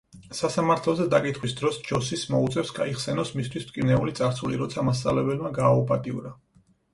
სასამართლოზე დაკითხვის დროს ჯოსის მოუწევს გაიხსენოს მისთვის მტკივნეული წარსული, როცა მასწავლებელმა გააუპატიურა.